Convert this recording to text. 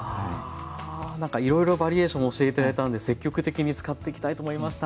なんかいろいろバリエーション教えていただいたんで積極的に使っていきたいと思いました。